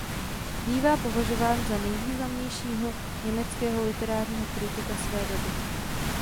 Bývá považován za nejvýznamnějšího německého literárního kritika své doby.